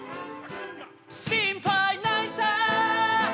「心配ないさ」